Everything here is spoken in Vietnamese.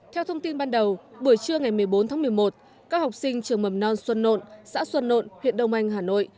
theo thông tin ban đầu buổi trưa ngày một mươi bốn tháng một mươi một các học sinh trường mầm non xuân nộn xã xuân nộn huyện đông anh hà nội